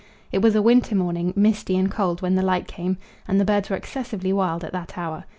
It was a winter morning, misty and cold when the light came, and the birds were excessively wild at that hour.